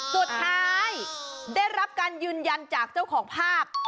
สุดท้ายได้รับการยืนยันจากเจ้าของภาพ